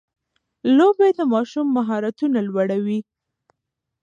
لوبې د ماشوم مهارتونه لوړوي.